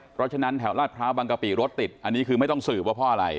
เพราะฉะนั้นแถวลาดพร้าวบางกะปิรถติดอันนี้คือไม่ต้องสืบว่าเพราะอะไร